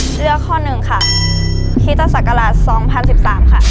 เลือกข้อหนึ่งค่ะคริสตศักราช๒๐๑๓ค่ะ